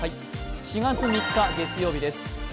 ４月３日月曜日です。